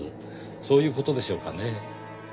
そういう事でしょうかねぇ？